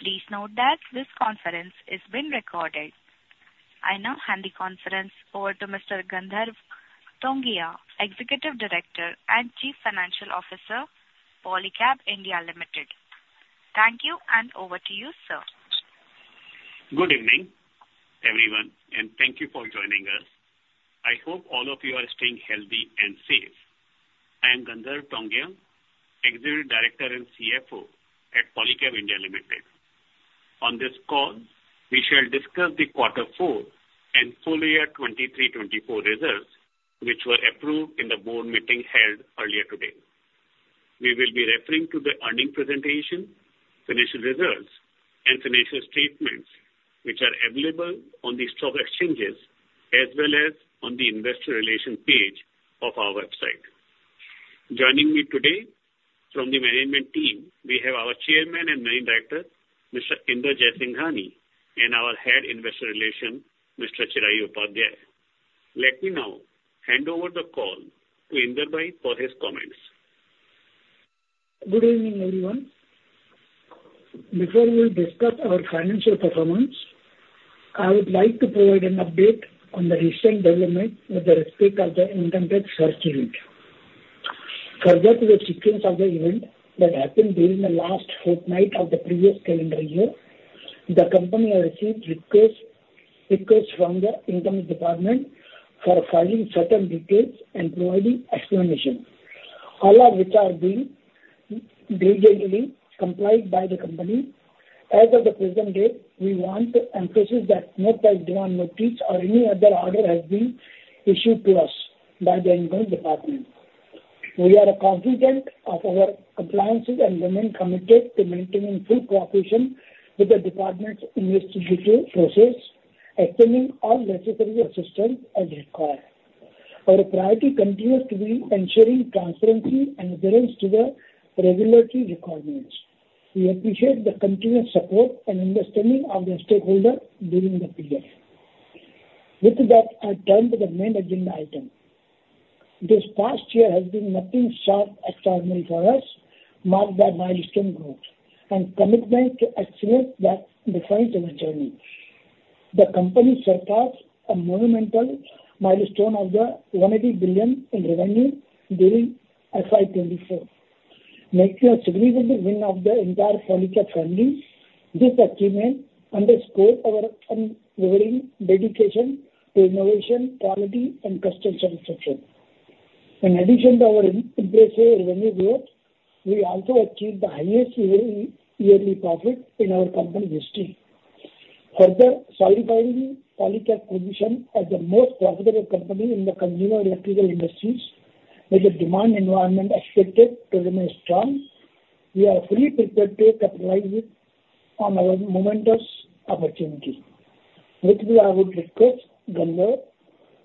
Please note that this conference is being recorded. I now hand the conference over to Mr. Gandharv Tongia, Executive Director and Chief Financial Officer, Polycab India Limited. Thank you, and over to you, sir. Good evening, everyone, and thank you for joining us. I hope all of you are staying healthy and safe. I am Gandharv Tongia, Executive Director and CFO at Polycab India Limited. On this call, we shall discuss the Quarter Four and full year 2023-2024 results, which were approved in the board meeting held earlier today. We will be referring to the earnings presentation, financial results, and financial statements, which are available on the stock exchanges as well as on the investor relations page of our website. Joining me today from the management team, we have our Chairman and Managing Director, Mr. Inder Jaisinghani, and our Head Investor Relations, Mr. Uncertain Upadhyaya. Let me now hand over the call to Inderji for his comments. Good evening, everyone. Before we discuss our financial performance, I would like to provide an update on the recent development with respect to the Income Tax search. Further to the sequence of the event that happened during the last fortnight of the previous calendar year, the company have received request, request from the Income Tax Department for filing certain details and providing explanation, all of which are being diligently complied by the company. As of the present date, we want to emphasize that no demand notice or any other order has been issued to us by the Income Tax Department. We are confident of our compliance and remain committed to maintaining full cooperation with the department's investigative process, extending all necessary assistance as required. Our priority continues to be ensuring transparency and adherence to the regulatory requirements. We appreciate the continuous support and understanding of the stakeholder during the period. With that, I turn to the main agenda item. This past year has been nothing short of extraordinary for us, marked by milestone growth and commitment to excellence that defines our journey. The company surpassed a monumental milestone of 180 billion in revenue during FY 2024. Making a significant win of the entire Polycab family, this achievement underscores our unwavering dedication to innovation, quality, and customer satisfaction. In addition to our impressive revenue growth, we also achieved the highest yearly, yearly profit in our company history, further solidifying Polycab's position as the most profitable company in the consumer electrical industries. With the demand environment expected to remain strong, we are fully prepared to capitalize it on our momentous opportunity. With that, I would request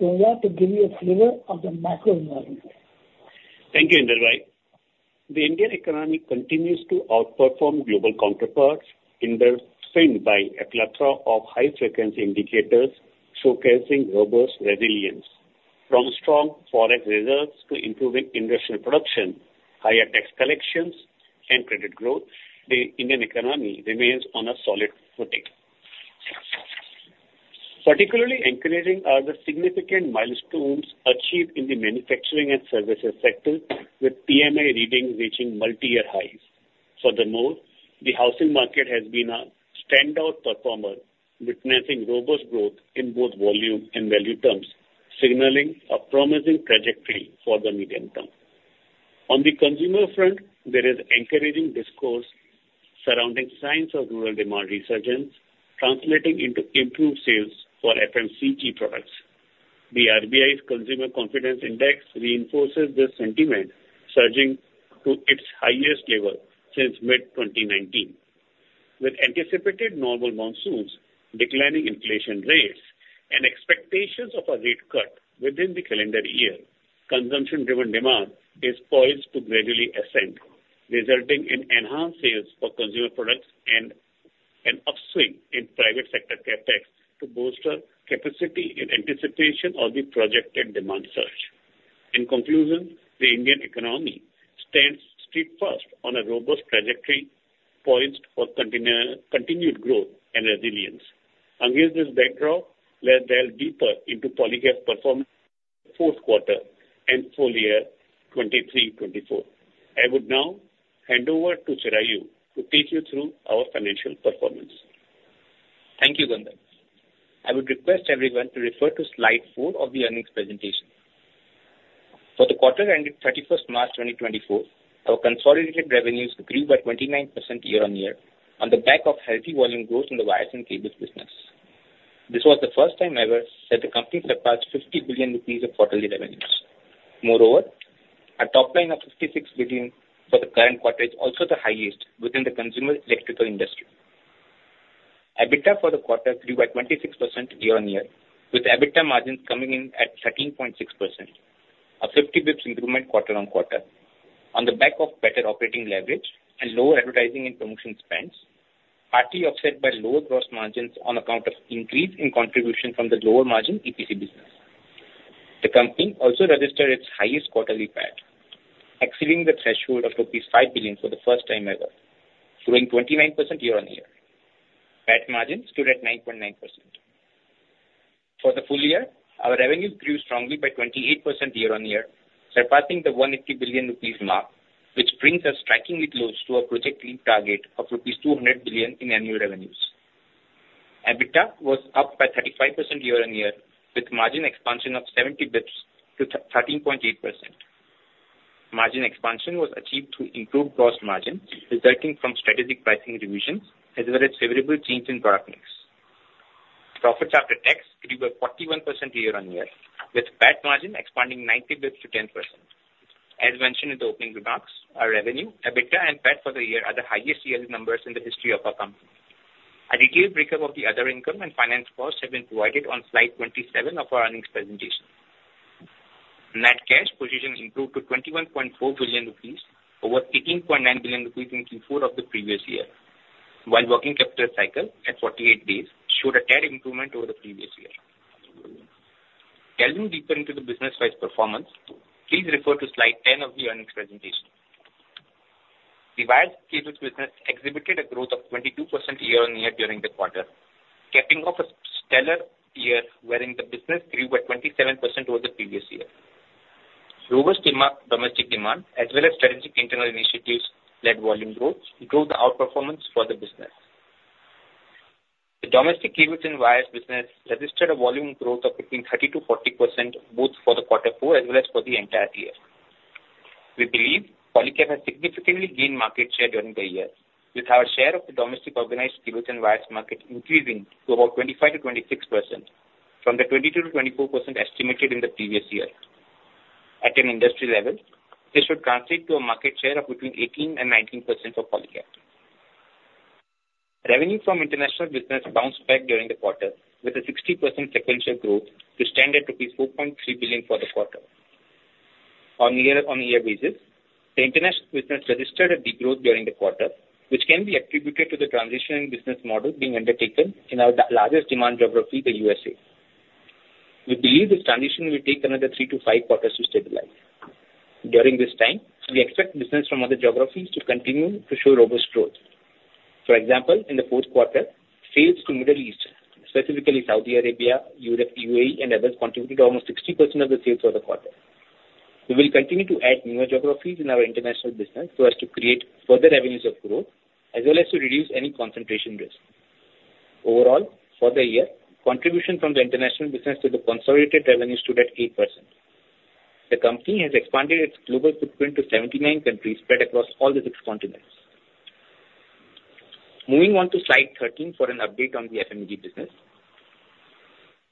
Gandharv Tongia to give you a flavor of the macro environment. Thank you, Inder Jaisinghani. The Indian economy continues to outperform global counterparts in the... framed by a plethora of high-frequency indicators showcasing robust resilience. From strong foreign reserves to improving industrial production, higher tax collections and credit growth, the Indian economy remains on a solid footing. Particularly encouraging are the significant milestones achieved in the manufacturing and services sector, with PMI readings reaching multi-year highs. Furthermore, the housing market has been a standout performer, witnessing robust growth in both volume and value terms, signaling a promising trajectory for the medium term. On the consumer front, there is encouraging discourse surrounding signs of rural demand resurgence, translating into improved sales for FMCG products. The RBI's Consumer Confidence Index reinforces this sentiment, surging to its highest level since mid-2019. With anticipated normal monsoons, declining inflation rates, and expectations of a rate cut within the calendar year, consumption-driven demand is poised to gradually ascend, resulting in enhanced sales for consumer products and an upswing in private sector CapEx to bolster capacity in anticipation of the projected demand surge. In conclusion, the Indian economy stands steadfast on a robust trajectory, poised for continued growth and resilience. Against this backdrop, let's delve deeper into Polycab's performance for fourth quarter and full year 2023-2024. I would now hand over to Chirayu to take you through our financial performance. Thank you, Gandharv. I would request everyone to refer to slide 4 of the earnings presentation. For the quarter ending 31st March 2024, our consolidated revenues grew by 29% year-on-year on the back of healthy volume growth in the wires and cables business. This was the first time ever that the company surpassed 50 billion rupees of quarterly revenues. Moreover, our top line of 56 billion for the current quarter is also the highest within the consumer electrical industry. EBITDA for the quarter grew by 26% year-on-year, with EBITDA margins coming in at 13.6%, a 50 BPS improvement quarter-on-quarter on the back of better operating leverage and lower advertising and promotion spends, partly offset by lower gross margins on account of increase in contribution from the lower margin EPC business. The company also registered its highest quarterly PAT, exceeding the threshold of rupees 5 billion for the first time ever, growing 29% year-on-year. PAT margin stood at 9.9%. For the full year, our revenues grew strongly by 28% year-on-year, surpassing the 180 billion rupees mark, which brings us strikingly close to our projected target of rupees 200 billion in annual revenues. EBITDA was up by 35% year-on-year, with margin expansion of 70 BPS to thirteen point eight percent. Margin expansion was achieved through improved cost margin, resulting from strategic pricing revisions, as well as favorable change in product mix. Profits after tax grew by 41% year-on-year, with PAT margin expanding ninety basis points to 10%. As mentioned in the opening remarks, our revenue, EBITDA, and PAT for the year are the highest yearly numbers in the history of our company. A detailed breakup of the other income and finance costs have been provided on slide 27 of our earnings presentation. Net cash position improved to 21.4 billion rupees, over 18.9 billion rupees in Q4 of the previous year, while working capital cycle, at 48 days, showed a stark improvement over the previous year. Delving deeper into the business-wide performance, please refer to slide 10 of the earnings presentation. The wires, cables business exhibited a growth of 22% year-on-year during the quarter, capping off a stellar year wherein the business grew by 27% over the previous year. Robust domestic demand, as well as strategic internal initiatives led volume growth, drove the outperformance for the business. The domestic cables and wires business registered a volume growth of between 30%-40%, both for the quarter four as well as for the entire year. We believe Polycab has significantly gained market share during the year, with our share of the domestic organized cables and wires market increasing to about 25%-26%, from the 22%-24% estimated in the previous year. At an industry level, this should translate to a market share of between 18% and 19% for Polycab. Revenue from international business bounced back during the quarter, with a 60% sequential growth to stand at rupees 4.3 billion for the quarter. On a year-on-year basis, the international business registered a degrowth during the quarter, which can be attributed to the transitioning business model being undertaken in our largest demand geography, the USA. We believe this transition will take another 3-5 quarters to stabilize. During this time, we expect business from other geographies to continue to show robust growth. For example, in the fourth quarter, sales to Middle East, specifically Saudi Arabia, UAE, and others, contributed almost 60% of the sales for the quarter. We will continue to add newer geographies in our international business so as to create further avenues of growth, as well as to reduce any concentration risk. Overall, for the year, contribution from the international business to the consolidated revenue stood at 8%. The company has expanded its global footprint to 79 countries spread across all the 6 continents. Moving on to slide 13 for an update on the FMEG business.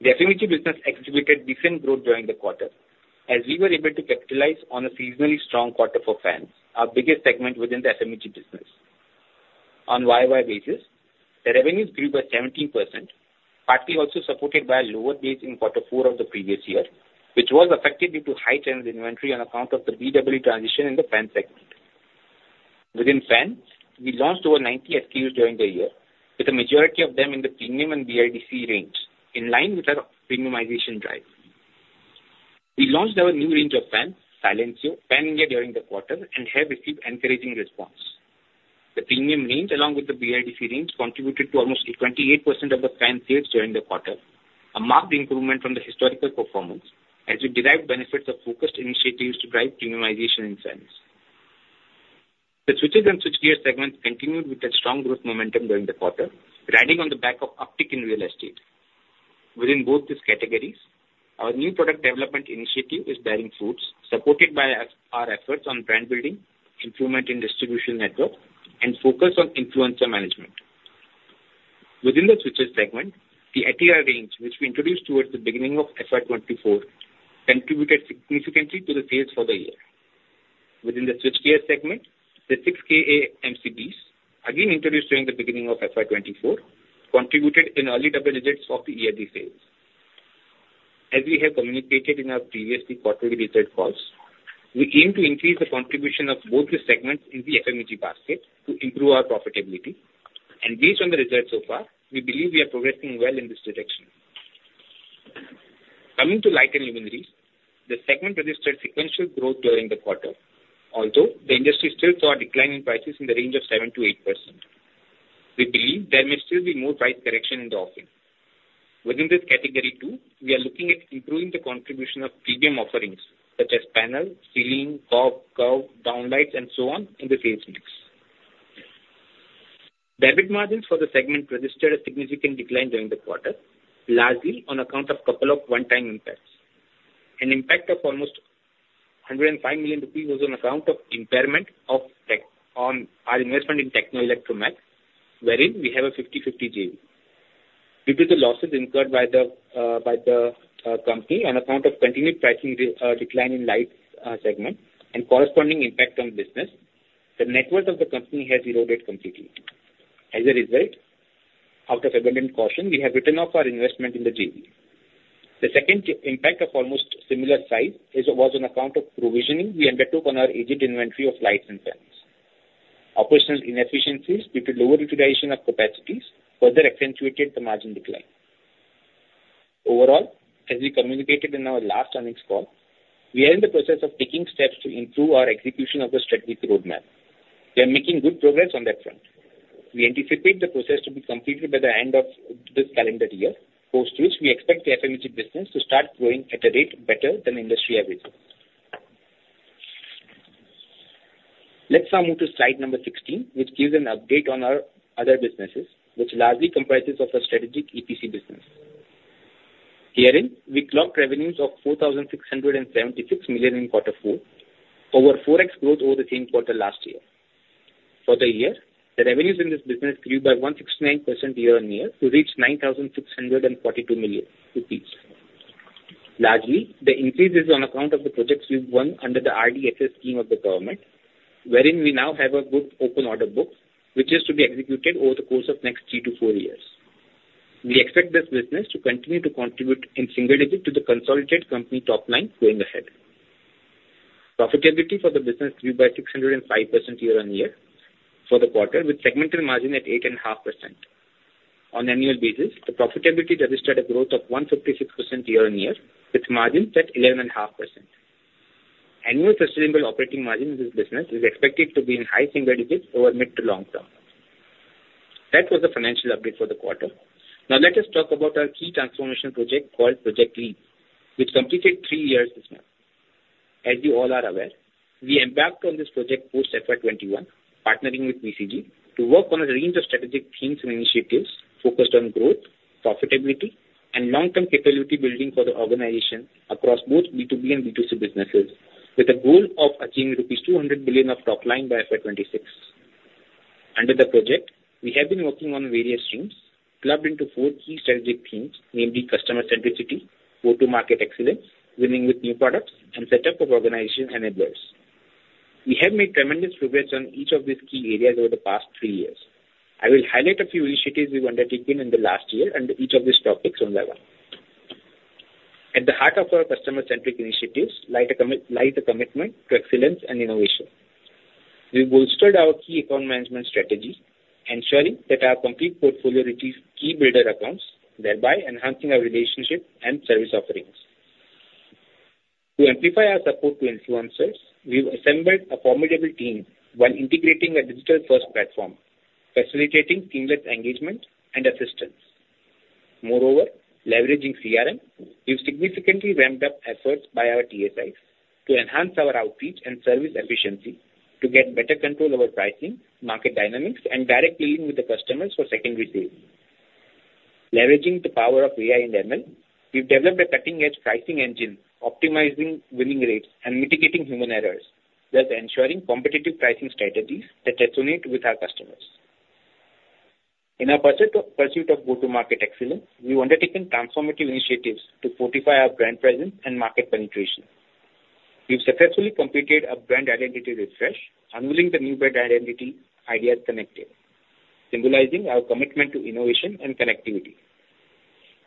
The FMEG business exhibited decent growth during the quarter, as we were able to capitalize on a seasonally strong quarter for fans, our biggest segment within the FMEG business. On Y-o-Y basis, the revenues grew by 17%, partly also supported by a lower base in quarter four of the previous year, which was affected due to high channel inventory on account of the BEE transition in the fan segment. Within fans, we launched over 90 SKUs during the year, with the majority of them in the premium and BLDC range, in line with our premiumization drive. We launched our new range of fans, Silencio, pan-India during the quarter and have received encouraging response. The premium range, along with the BLDC range, contributed to almost 28% of the fan sales during the quarter, a marked improvement from the historical performance, as we derived benefits of focused initiatives to drive premiumization in fans. The switches and switchgear segment continued with a strong growth momentum during the quarter, riding on the back of uptick in real estate. Within both these categories, our new product development initiative is bearing fruits, supported by our efforts on brand building, improvement in distribution network, and focus on influencer management. Within the switches segment, the Etira range, which we introduced towards the beginning of FY 2024, contributed significantly to the sales for the year. Within the switchgear segment, the 6 kA MCBs, again introduced during the beginning of FY 2024, contributed in early double digits of the year-end sales. As we have communicated in our previous quarterly result calls, we aim to increase the contribution of both the segments in the FMEG basket to improve our profitability, and based on the results so far, we believe we are progressing well in this direction. Coming to lighting and luminaires, the segment registered sequential growth during the quarter, although the industry still saw a decline in prices in the range of 7%-8%. We believe there may still be more price correction in the offing. Within this category, too, we are looking at improving the contribution of premium offerings, such as panel, ceiling, COB, curve, downlights, and so on, in the sales mix. EBIT margins for the segment registered a significant decline during the quarter, largely on account of a couple of one-time impacts. An impact of almost 105 million rupees was on account of impairment of tech on our investment in Techno Electromech, wherein we have a 50/50 JV. Due to the losses incurred by the company on account of continued pricing decline in lights segment and corresponding impact on business, the net worth of the company has eroded completely. As a result, out of abundant caution, we have written off our investment in the JV. The second impact of almost similar size was on account of provisioning we undertook on our aged inventory of lights and fans.... Operational inefficiencies due to lower utilization of capacities further accentuated the margin decline. Overall, as we communicated in our last earnings call, we are in the process of taking steps to improve our execution of the strategic roadmap. We are making good progress on that front. We anticipate the process to be completed by the end of this calendar year, post which we expect the FMEG business to start growing at a rate better than industry average. Let's now move to slide number 16, which gives an update on our other businesses, which largely comprises of our strategic EPC business. Herein, we clocked revenues of 4,676 million in quarter four, over 4x growth over the same quarter last year. For the year, the revenues in this business grew by 169% year-on-year to reach 9,642 million rupees. Largely, the increase is on account of the projects we've won under the RDSS scheme of the government, wherein we now have a good open order book, which is to be executed over the course of next 3-4 years. We expect this business to continue to contribute in single-digit to the consolidated company top line going ahead. Profitability for the business grew by 605% year-on-year for the quarter, with segmental margin at 8.5%. On annual basis, the profitability registered a growth of 156% year-on-year, with margins at 11.5%. Annual sustainable operating margin in this business is expected to be in high single digits over mid- to long-term. That was the financial update for the quarter. Now let us talk about our key transformation project, called Project Leap, which completed 3 years this May. As you all are aware, we embarked on this project post FY 21, partnering with BCG, to work on a range of strategic themes and initiatives focused on growth, profitability, and long-term capability building for the organization across both B2B and B2C businesses, with a goal of achieving rupees 200 billion of top line by FY 26. Under the project, we have been working on various streams clubbed into 4 key strategic themes, namely customer centricity, go-to-market excellence, winning with new products, and set up of organization enablers. We have made tremendous progress on each of these key areas over the past 3 years. I will highlight a few initiatives we've undertaken in the last year under each of these topics on that one. At the heart of our customer-centric initiatives, lie the commitment to excellence and innovation. We've bolstered our key account management strategy, ensuring that our complete portfolio reaches key builder accounts, thereby enhancing our relationship and service offerings. To amplify our support to influencers, we've assembled a formidable team while integrating a digital-first platform, facilitating seamless engagement and assistance. Moreover, leveraging CRM, we've significantly ramped up efforts by our TSIs to enhance our outreach and service efficiency to get better control over pricing, market dynamics, and direct dealing with the customers for secondary sales. Leveraging the power of AI and ML, we've developed a cutting-edge pricing engine, optimizing winning rates and mitigating human errors, thus ensuring competitive pricing strategies that resonate with our customers. In our pursuit of go-to-market excellence, we've undertaken transformative initiatives to fortify our brand presence and market penetration. We've successfully completed a brand identity refresh, unveiling the new brand identity, Ideas Connected, symbolizing our commitment to innovation and connectivity.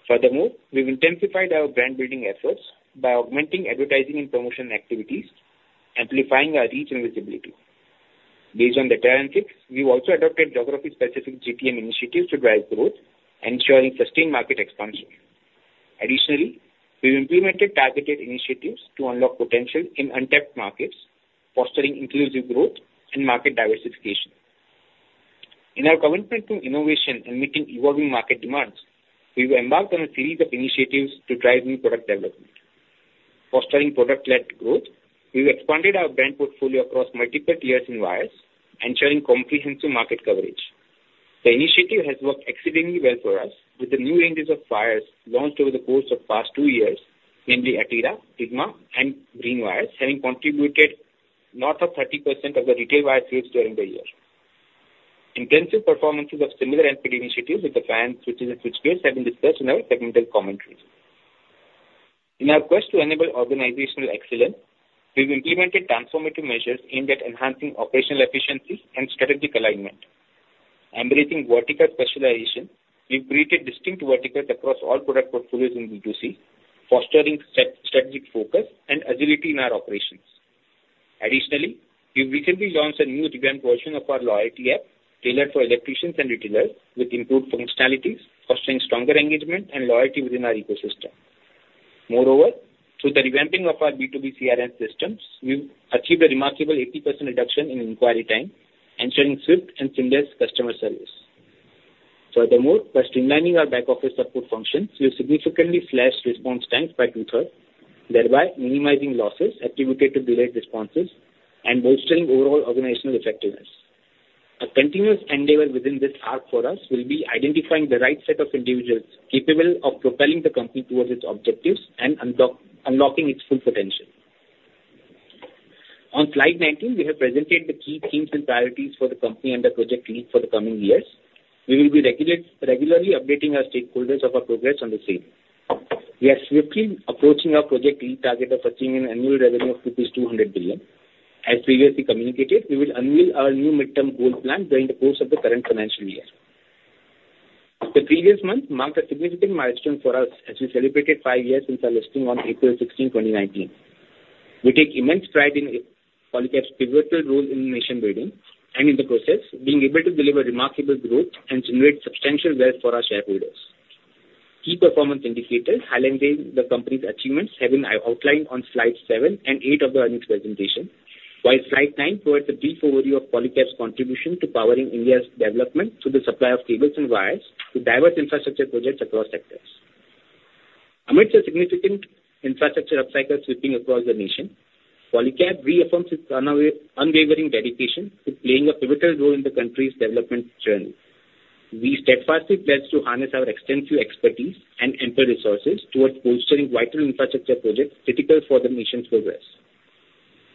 Furthermore, we've intensified our brand-building efforts by augmenting advertising and promotion activities, amplifying our reach and visibility. Based on the dynamics, we've also adopted geography-specific GTM initiatives to drive growth, ensuring sustained market expansion. Additionally, we've implemented targeted initiatives to unlock potential in untapped markets, fostering inclusive growth and market diversification. In our commitment to innovation and meeting evolving market demands, we've embarked on a series of initiatives to drive new product development. Fostering product-led growth, we've expanded our brand portfolio across multiple tiers and wires, ensuring comprehensive market coverage. The initiative has worked exceedingly well for us, with the new ranges of wires launched over the course of past two years, namely Atira, Sigma and Green wires, having contributed north of 30% of the retail wire sales during the year. Intensive performances of similar NPD initiatives with the brand switches and switchgears have been discussed in our technical commentaries. In our quest to enable organizational excellence, we've implemented transformative measures aimed at enhancing operational efficiency and strategic alignment. Embracing vertical specialization, we've created distinct verticals across all product portfolios in B2C, fostering strategic focus and agility in our operations. Additionally, we've recently launched a new revamped version of our loyalty app tailored for electricians and retailers, with improved functionalities, fostering stronger engagement and loyalty within our ecosystem. Moreover, through the revamping of our B2B CRM systems, we've achieved a remarkable 80% reduction in inquiry time, ensuring swift and seamless customer service. Furthermore, by streamlining our back office support functions, we've significantly slashed response times by two-thirds, thereby minimizing losses attributed to delayed responses and bolstering overall organizational effectiveness. A continuous endeavor within this arc for us will be identifying the right set of individuals capable of propelling the company towards its objectives and unlocking its full potential. On slide 19, we have presented the key themes and priorities for the company under Project Leap for the coming years. We will be regularly updating our stakeholders of our progress on the same. We are swiftly approaching our Project Leap target of achieving an annual revenue of rupees 200 billion. As previously communicated, we will unveil our new midterm goal plan during the course of the current financial year. The previous month marked a significant milestone for us as we celebrated 5 years since our listing on April 16th, 2019. We take immense pride in Polycab's pivotal role in nation building, and in the process, being able to deliver remarkable growth and generate substantial wealth for our shareholders. Key performance indicators highlighting the company's achievements have been outlined on slide 7 and 8 of the earnings presentation. While slide 9 provides a brief overview of Polycab's contribution to powering India's development through the supply of cables and wires to diverse infrastructure projects across sectors. Amidst a significant infrastructure upcycle sweeping across the nation, Polycab reaffirms its unwavering dedication to playing a pivotal role in the country's development journey. We steadfastly pledge to harness our extensive expertise and input resources towards bolstering vital infrastructure projects critical for the nation's progress.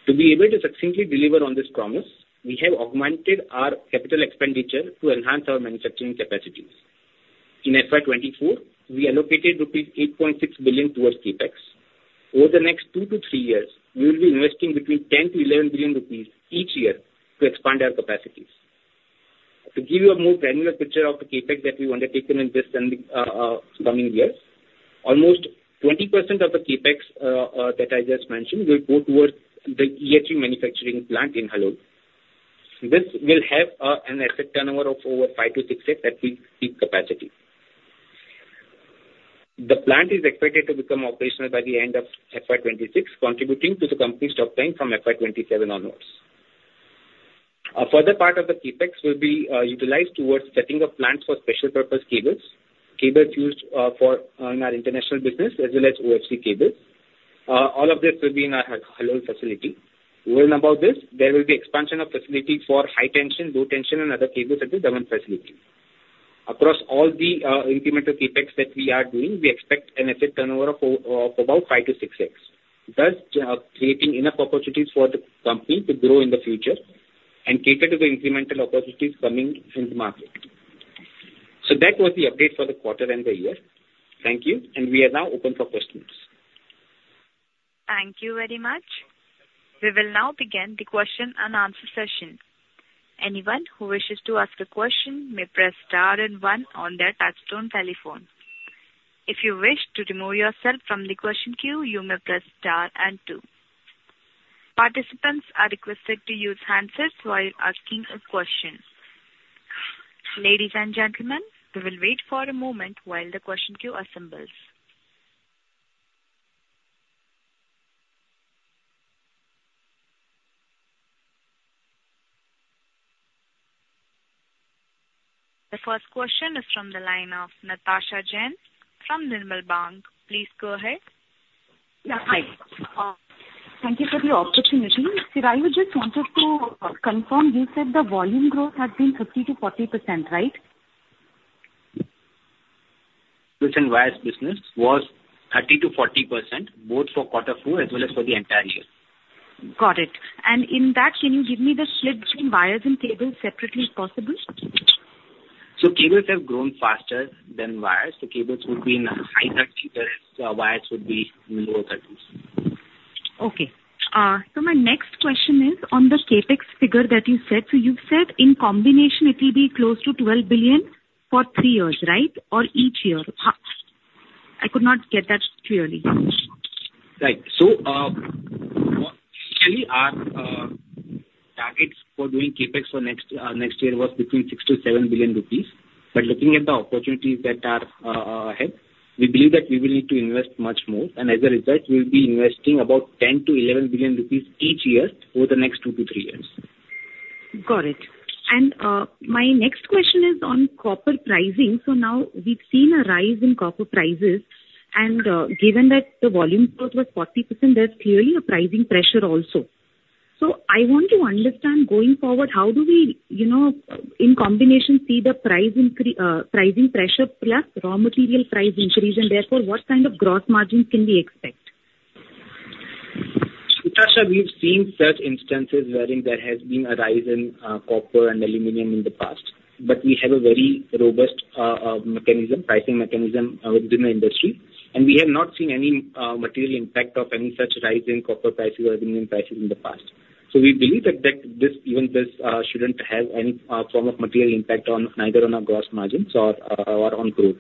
To be able to successfully deliver on this promise, we have augmented our capital expenditure to enhance our manufacturing capacities. In FY 2024, we allocated rupees 8.6 billion towards CapEx. Over the next two to three years, we will be investing between 10 billion-11 billion rupees each year to expand our capacities. To give you a more granular picture of the CapEx that we've undertaken in this coming years, almost 20% of the CapEx that I just mentioned will go towards the EHV manufacturing plant in Halol. This will have an asset turnover of over 5-6x at peak, peak capacity. The plant is expected to become operational by the end of FY 2026, contributing to the company's top line from FY 2027 onwards. A further part of the CapEx will be utilized towards setting up plants for special purpose cables, cables used for in our international business, as well as OFC cables. All of this will be in our Halol facility. Going about this, there will be expansion of facility for high tension, low tension and other cables at the Dharwad facility. Across all the incremental CapEx that we are doing, we expect an asset turnover of about 5-6x. Thus, creating enough opportunities for the company to grow in the future and cater to the incremental opportunities coming in the market. So that was the update for the quarter and the year. Thank you, and we are now open for questions. Thank you very much. We will now begin the question and answer session. Anyone who wishes to ask a question may press star and one on their touchtone telephone. If you wish to remove yourself from the question queue, you may press star and two. Participants are requested to use handsets while asking a question. Ladies and gentlemen, we will wait for a moment while the question queue assembles. The first question is from the line of Natasha Jain from Nirmal Bang. Please go ahead. Yeah, hi. Thank you for the opportunity. Sir, I would just wanted to confirm, you said the volume growth had been 50%-40%, right? Cables and wires business was 30%-40%, both for quarter four as well as for the entire year. Got it. And in that, can you give me the split between wires and cables separately, if possible? Cables have grown faster than wires. Cables would be in high thirties, whereas wires would be in the lower thirties. Okay. So my next question is on the CapEx figure that you said. So you said in combination, it will be close to 12 billion for three years, right? Or each year? I could not get that clearly. Right. So, actually, our targets for doing CapEx for next year was between 6 billion-7 billion rupees. But looking at the opportunities that are ahead, we believe that we will need to invest much more, and as a result, we will be investing about 10 billion-11 billion rupees each year over the next 2-3 years. Got it. And, my next question is on copper pricing. So now we've seen a rise in copper prices, and, given that the volume growth was 40%, there's clearly a pricing pressure also. So I want to understand, going forward, how do we, you know, in combination, see the pricing pressure plus raw material price increases, and therefore, what kind of gross margins can we expect? Natasha, we've seen such instances wherein there has been a rise in copper and aluminum in the past, but we have a very robust mechanism, pricing mechanism, within the industry, and we have not seen any material impact of any such rise in copper prices or aluminum prices in the past. So we believe that this shouldn't have any form of material impact on either our gross margins or on growth.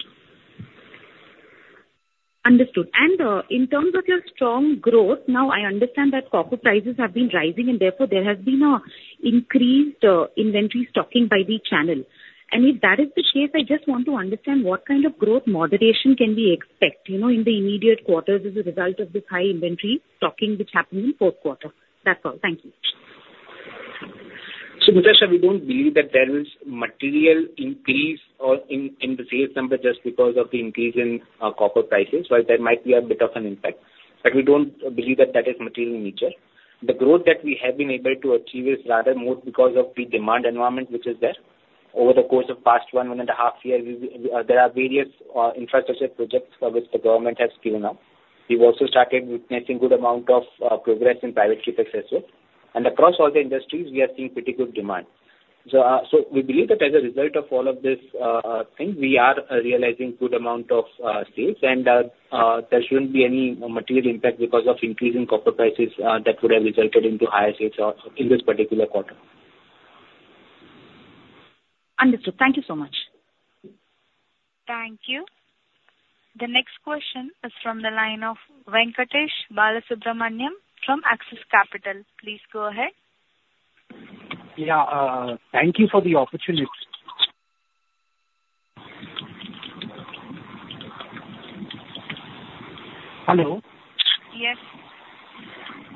Understood. And, in terms of your strong growth, now I understand that copper prices have been rising, and therefore, there has been an increased inventory stocking by the channel. And if that is the case, I just want to understand what kind of growth moderation can we expect, you know, in the immediate quarters as a result of this high inventory stocking, which happened in fourth quarter? That's all. Thank you. So, Natasha, we don't believe that there is material increase in the sales number just because of the increase in copper prices. While there might be a bit of an impact, but we don't believe that that is material in nature. The growth that we have been able to achieve is rather more because of the demand environment, which is there. Over the course of past 1.5 year, there are various infrastructure projects for which the government has given up. We've also started witnessing good amount of progress in private CapEx as well. And across all the industries, we are seeing pretty good demand. So we believe that as a result of all of these things, we are realizing good amount of sales, and there shouldn't be any material impact because of increase in copper prices that would have resulted into higher sales or in this particular quarter.... Understood. Thank you so much. Thank you. The next question is from the line of Venkatesh Balasubramaniam from Axis Capital. Please go ahead. Yeah, thank you for the opportunity. Hello? Yes.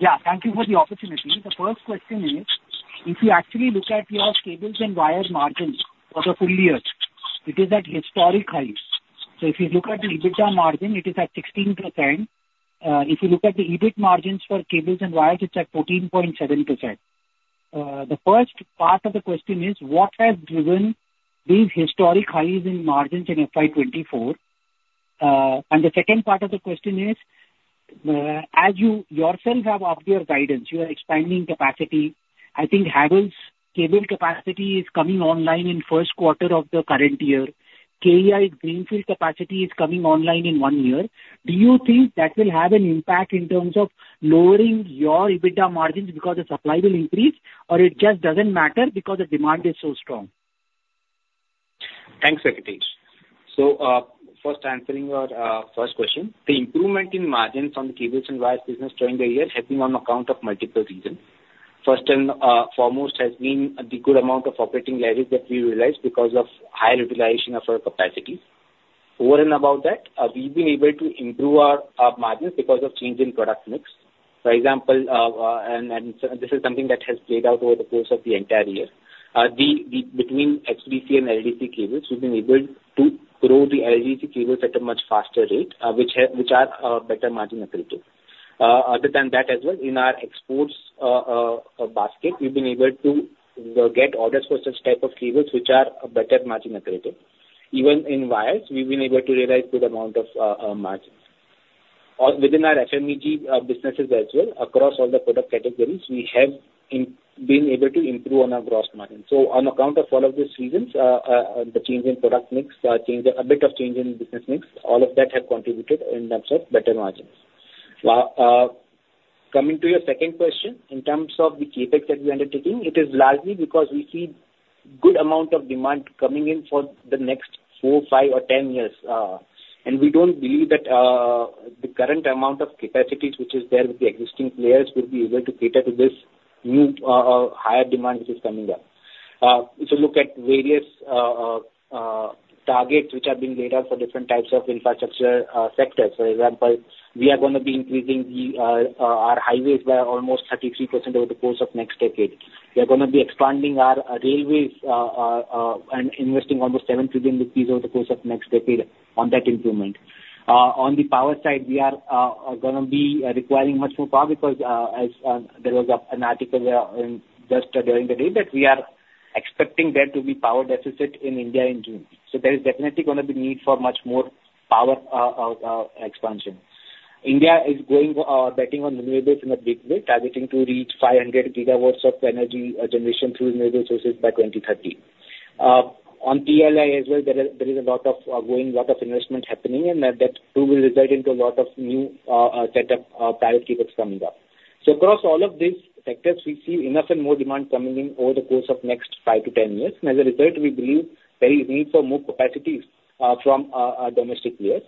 Yeah, thank you for the opportunity. The first question is: if you actually look at your cables and wire margins for the full year, it is at historic highs. So if you look at the EBITDA margin, it is at 16%. If you look at the EBIT margins for cables and wires, it's at 14.7%. The first part of the question is, what has driven these historic highs in margins in FY 2024? And the second part of the question is, as you yourself have upped your guidance, you are expanding capacity. I think Havells' cable capacity is coming online in first quarter of the current year. KEI's greenfield capacity is coming online in one year. Do you think that will have an impact in terms of lowering your EBITDA margins because the supply will increase, or it just doesn't matter because the demand is so strong? Thanks, Venkatesh. So, first answering your first question, the improvement in margins from the cables and wires business during the year has been on account of multiple reasons. First and foremost has been the good amount of operating leverage that we realized because of high utilization of our capacity. Over and above that, we've been able to improve our margins because of change in product mix. For example, and this is something that has played out over the course of the entire year. The between HDC and LDC cables, we've been able to grow the LDC cables at a much faster rate, which are better margin accretive. Other than that as well, in our exports basket, we've been able to get orders for such type of cables, which are a better margin accretive. Even in wires, we've been able to realize good amount of margins. Or within our FMEG businesses as well, across all the product categories, we have been able to improve on our gross margins. So on account of all of these reasons, the change in product mix, change, a bit of change in business mix, all of that have contributed in terms of better margins. Coming to your second question, in terms of the CapEx that we're undertaking, it is largely because we see good amount of demand coming in for the next four, five, or 10 years. We don't believe that the current amount of capacities which is there with the existing players will be able to cater to this new higher demand which is coming up. If you look at various targets which are being laid out for different types of infrastructure sectors, for example, we are going to be increasing our highways by almost 33% over the course of next decade. We are going to be expanding our railways and investing almost 7 trillion rupees over the course of next decade on that improvement. On the power side, we are gonna be requiring much more power because as there was an article in just during the day that we are expecting there to be power deficit in India in June. So there is definitely gonna be need for much more power expansion. India is going betting on renewables in a big way, targeting to reach 500 gigawatts of energy generation through renewable sources by 2030. On PLI as well, there is a lot of going lot of investment happening, and that too will result into a lot of new setup private cables coming up. So across all of these sectors, we see enough and more demand coming in over the course of next 5-10 years. As a result, we believe there is need for more capacities from domestic players.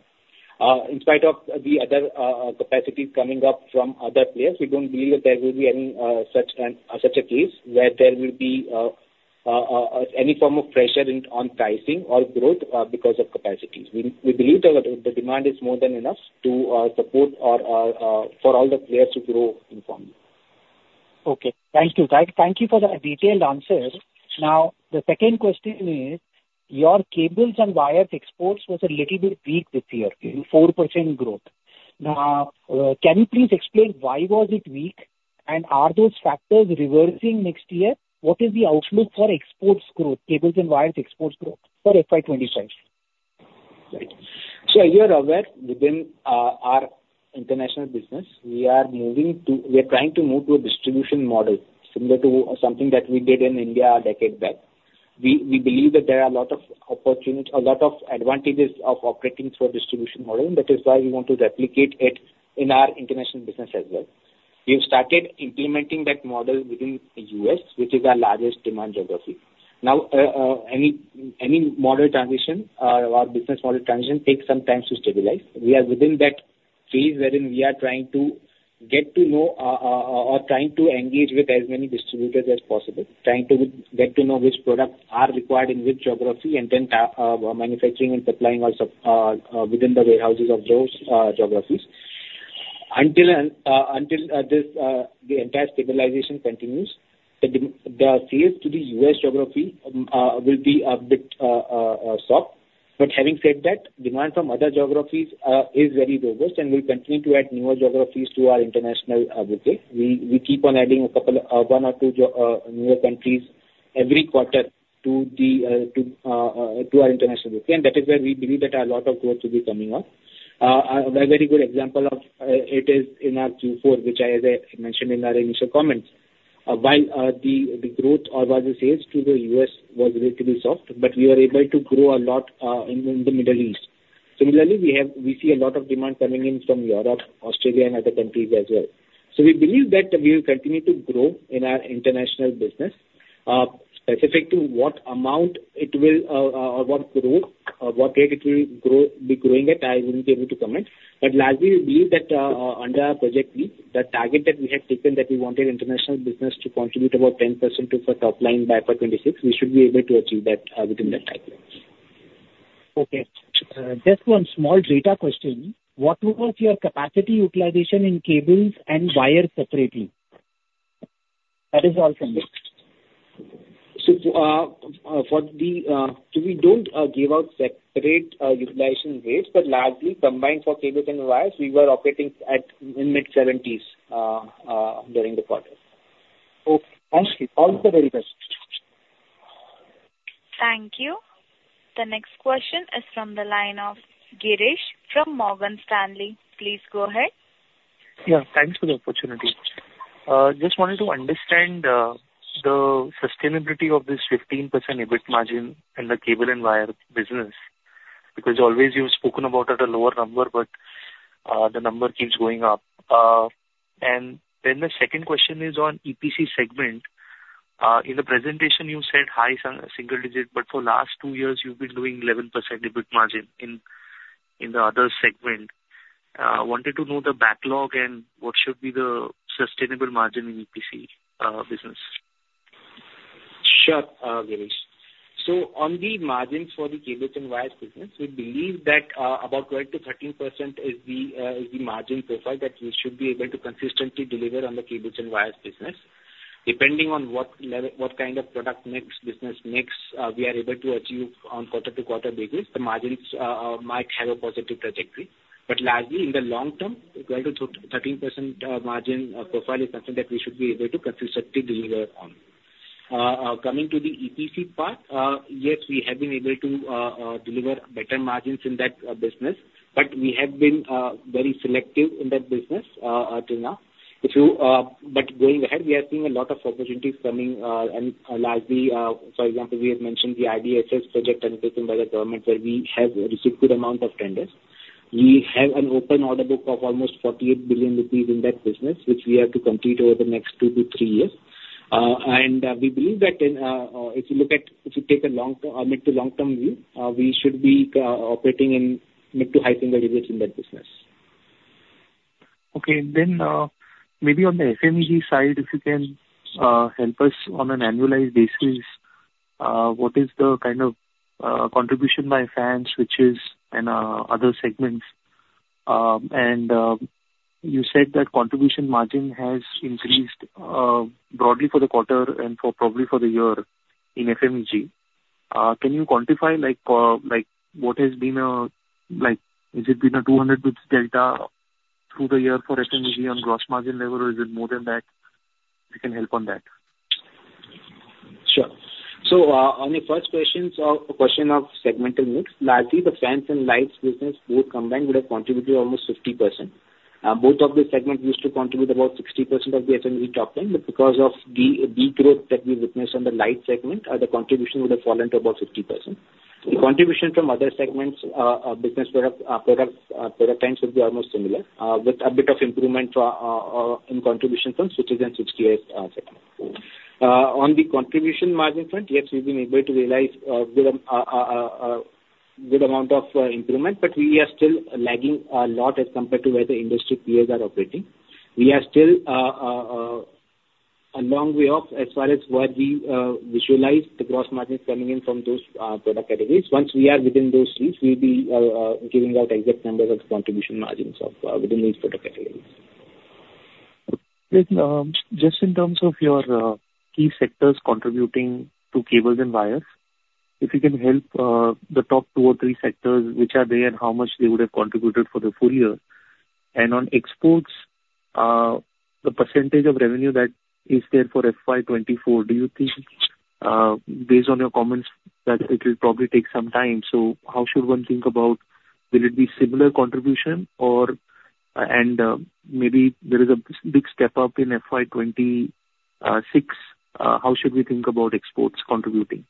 In spite of the other capacities coming up from other players, we don't believe that there will be any such a case, where there will be any form of pressure on pricing or growth because of capacities. We believe that the demand is more than enough to support for all the players to grow in volume. Okay. Thank you. Thank, thank you for the detailed answer. Now, the second question is, your cables and wires exports was a little bit weak this year, in 4% growth. Now, can you please explain why was it weak, and are those factors reversing next year? What is the outlook for exports growth, cables and wires exports growth for FY 2025? Right. So you are aware, within our international business, we are moving to... We are trying to move to a distribution model, similar to something that we did in India a decade back. We, we believe that there are a lot of opportunities, a lot of advantages of operating through a distribution model, and that is why we want to replicate it in our international business as well. We've started implementing that model within the U.S., which is our largest demand geography. Now, any model transition or business model transition takes some time to stabilize. We are within that phase wherein we are trying to get to know or trying to engage with as many distributors as possible, trying to get to know which products are required in which geography, and then manufacturing and supplying also within the warehouses of those geographies. Until this, the entire stabilization continues, the sales to the US geography will be a bit soft. But having said that, demand from other geographies is very robust, and we'll continue to add newer geographies to our international bouquet. We keep on adding a couple one or two geo newer countries every quarter to our international bouquet. And that is where we believe that a lot of growth will be coming up. A very good example of it is in our Q4, which I, as I mentioned in our initial comments. While the growth or rather sales to the U.S. was relatively soft, but we are able to grow a lot in the Middle East. Similarly, we see a lot of demand coming in from Europe, Australia, and other countries as well. So we believe that we will continue to grow in our international business. Specific to what amount it will or what growth, or what rate it will grow, be growing at, I wouldn't be able to comment. But largely, we believe that, under our Project Leap, the target that we had taken, that we wanted international business to contribute about 10% to the top line by 2026, we should be able to achieve that, within that timeline. Okay. Just one small data question: What was your capacity utilization in cables and wires separately? That is all combined. So, we don't give out separate utilization rates, but largely combined for cables and wires, we were operating at in mid-70s during the quarter. Okay. Thank you. All the very best. Thank you. The next question is from the line of Girish from Morgan Stanley. Please go ahead. Yeah, thanks for the opportunity. Just wanted to understand the sustainability of this 15% EBIT margin in the cable and wire business, because always you've spoken about at a lower number, but the number keeps going up. And then the second question is on EPC segment. In the presentation you said high single digit, but for last two years you've been doing 11% EBIT margin in the other segment. Wanted to know the backlog and what should be the sustainable margin in EPC business. Sure, Girish. So on the margins for the cables and wires business, we believe that about 12%-13% is the margin profile that we should be able to consistently deliver on the cables and wires business. Depending on what level, what kind of product mix, business mix, we are able to achieve on quarter-to-quarter basis, the margins might have a positive trajectory. But largely, in the long term, 12%-13% margin profile is something that we should be able to consistently deliver on. Coming to the EPC part, yes, we have been able to deliver better margins in that business, but we have been very selective in that business till now. If you... But going ahead, we are seeing a lot of opportunities coming, and largely, for example, we have mentioned the RDSS project undertaken by the government, where we have received good amount of tenders. We have an open order book of almost 48 billion rupees in that business, which we have to complete over the next two to three years. And we believe that in, if you take a long term, mid to long term view, we should be operating in mid to high single digits in that business. Okay. Then, maybe on the FMEG side, if you can, help us on an annualized basis, what is the kind of, contribution by fans, which is in, other segments? And, you said that contribution margin has increased, broadly for the quarter and for probably for the year in FMEG. Can you quantify, like, like, what has been, like, has it been a 200 delta through the year for FMEG on gross margin level, or is it more than that? If you can help on that. Sure. So, on the first question, so a question of segmental mix, largely the fans and lights business both combined would have contributed almost 50%. Both of these segments used to contribute about 60% of the FMEG top line, but because of the degrowth that we witnessed on the lights segment, the contribution would have fallen to about 50%. The contribution from other segments, business product lines would be almost similar, with a bit of improvement in contribution from switches and switchgear segment. On the contribution margin front, yes, we've been able to realize a good amount of improvement, but we are still lagging a lot as compared to where the industry peers are operating. We are still a long way off as far as what we visualize the gross margins coming in from those product categories. Once we are within those suites, we'll be giving out exact numbers of contribution margins of within these product categories. Just in terms of your key sectors contributing to cables and wires, if you can help, the top two or three sectors, which are they and how much they would have contributed for the full year? And on exports, the percentage of revenue that is there for FY 2024, do you think, based on your comments, that it will probably take some time? So how should one think about... Will it be similar contribution or, and, maybe there is a big step up in FY 2026. How should we think about exports contributing?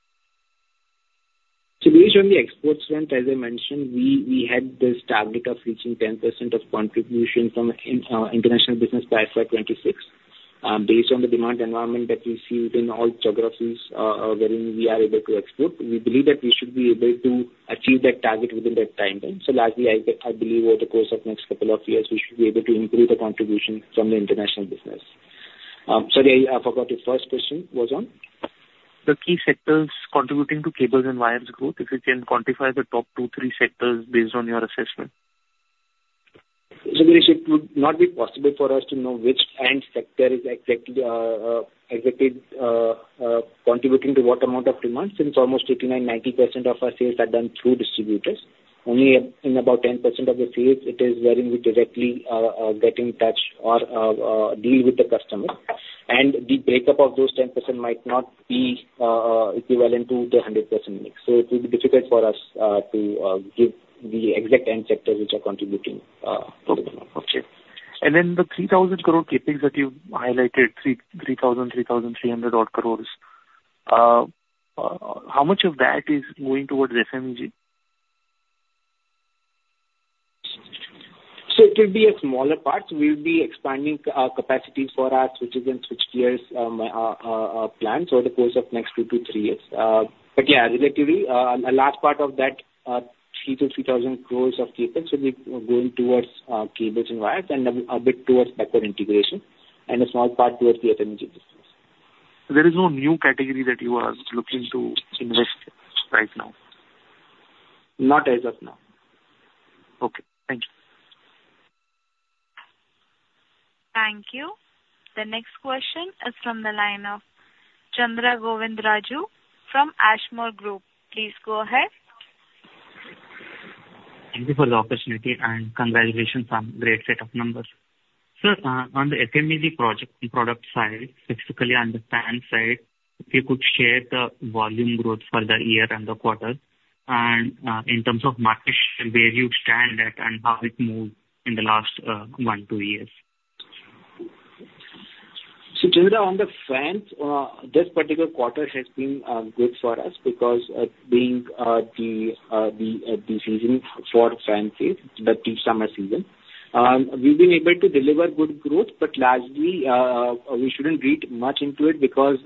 So based on the exports front, as I mentioned, we had this target of reaching 10% of contribution from international business by FY 2026. Based on the demand environment that we see within all geographies, wherein we are able to export, we believe that we should be able to achieve that target within that timeframe. So lastly, I believe over the course of next couple of years, we should be able to improve the contribution from the international business. Sorry, I forgot your first question was on? The key sectors contributing to cables and wires growth, if you can quantify the top two, three sectors based on your assessment? So Girish, it would not be possible for us to know which end sector is exactly contributing to what amount of demand, since almost 89-90% of our sales are done through distributors. Only in about 10% of the sales it is wherein we directly get in touch or deal with the customer. And the breakup of those 10% might not be equivalent to the 100% mix. So it will be difficult for us to give the exact end sectors which are contributing to the demand. ...And then the 3,000 crore CapEx that you've highlighted, three, 3,000, 3,300-odd crores, how much of that is going towards FMEG? So it will be a smaller part. We will be expanding capacity for our switches and switchgear plans over the course of next 2-3 years. But yeah, relatively, a large part of that 300-3,000 crores of CapEx will be going towards cables and wires and a bit towards better integration and a small part towards the FMEG business. There is no new category that you are looking to invest right now? Not as of now. Okay, thank you. Thank you. The next question is from the line of Chandra Govindraju from Ashmore Group. Please go ahead. Thank you for the opportunity, and congratulations on great set of numbers. So, on the FMEG project and product side, specifically on the fan side, if you could share the volume growth for the year and the quarter, and, in terms of market share, where you stand at and how it moved in the last, one, two years? So, Chandra, on the fans, this particular quarter has been good for us because being the season for fans is the peak summer season. We've been able to deliver good growth, but largely we shouldn't read much into it because